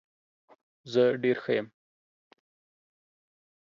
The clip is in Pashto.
زه ډیر ښه یم.